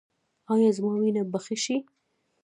ایا زما وینه به ښه شي؟